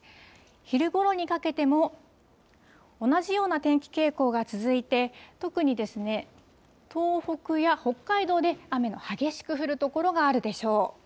昼ごろにかけても、同じような天気傾向が続いて、特に東北や北海道で雨が激しく降る所があるでしょう。